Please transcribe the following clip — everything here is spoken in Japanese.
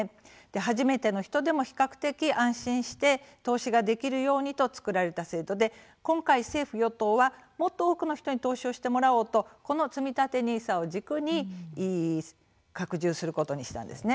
初めての人でも比較的安心して投資ができるようにと作られた制度で今回、政府・与党はもっと多くの人に投資をしてもらおうとこの、つみたてＮＩＳＡを軸に拡充することにしたんですね。